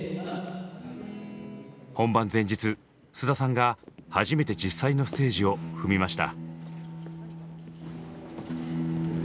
本番前日菅田さんが初めて実際のステージを踏みました。